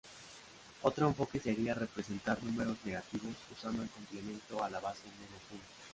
Otro enfoque sería representar números negativos usando el complemento a la base menos uno.